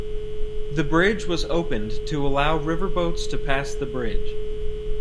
The bridge was opened to allow riverboats to pass the bridge.